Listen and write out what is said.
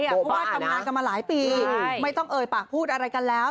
เพราะว่าทำงานกันมาหลายปีไม่ต้องเอ่ยปากพูดอะไรกันแล้ว